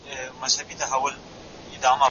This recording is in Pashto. اوبه وڅښئ او ځای بدل کړئ.